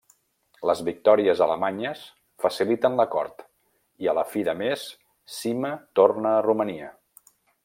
Les victòries alemanyes faciliten l'acord i a la fi de mes Sima torna a Romania.